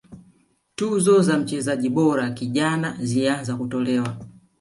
tuzo za mchezaji bora kijana zilianza kutolewa